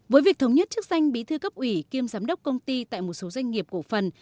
với việc thống nhất chức danh bí thư cấp ủy kiêm giám đốc công ty tại một số doanh nghiệp cổ phần